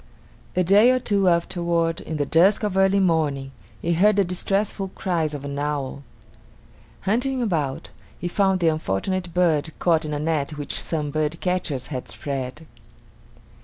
A day or two afterward, in the dusk of early morning, he heard the distressful cries of an owl. Hunting about, he found the unfortunate bird caught in a net which some birdcatchers had spread.